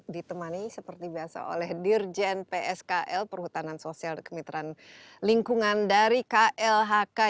ditemani seperti biasa oleh dirjen pskl perhutanan sosial kemitraan lingkungan dari klhk